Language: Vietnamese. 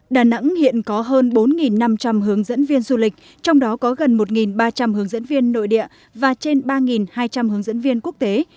đà nẵng hiện có hơn bốn năm trăm linh hướng dẫn viên du lịch trong đó có gần một ba trăm linh hướng dẫn viên nội địa và trên ba hai trăm linh hướng dẫn viên quốc tế